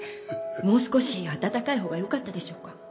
もう少し温かいほうがよかったでしょうか？